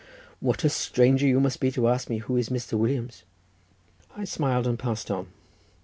what a stranger you must be to ask me who is Mr. Williams." I smiled and passed on.